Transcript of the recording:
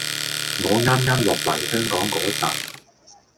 我啱啱落嚟香港嗰陣